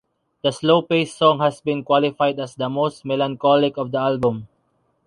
The slow-paced song has been qualified as the most melancholic of the album.